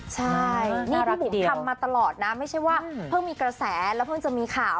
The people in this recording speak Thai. ใช่นี่พี่บุ๋มทำมาตลอดนะไม่ใช่ว่าเพิ่งมีกระแสแล้วเพิ่งจะมีข่าว